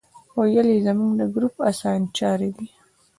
ویل یې زموږ د ګروپ اسانچاری دی.